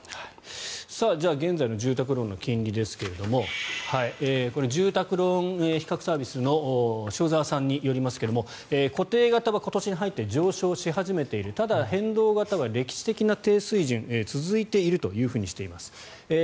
現在の住宅ローンの金利ですがこれ、住宅ローン比較サービスの塩澤さんによりますが固定型は今年に入って上昇し始めているただ、変動型は歴史的な低水準が続いているとしています。